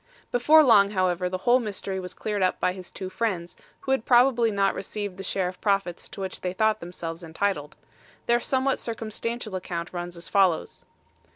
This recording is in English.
Before long, however, the whole mystery was cleared up by his two friends, who had probably not received the share of the profits to which they thought themselves entitled. Their somewhat circumstantial account runs as follows.